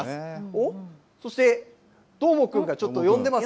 おっ、そして、どーもくんがちょっと呼んでます。